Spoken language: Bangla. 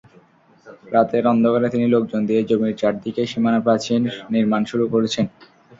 রাতের অন্ধকারে তিনি লোকজন দিয়ে জমির চারদিকে সীমানাপ্রাচীর নির্মাণ শুরু করেছেন।